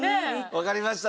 わかりました。